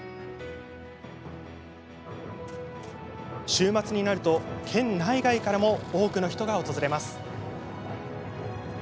週末になると県内外からも多くの人が訪れます。